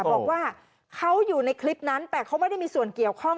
บอกว่าเขาอยู่ในคลิปนั้นแต่เขาไม่ได้มีส่วนเกี่ยวข้อง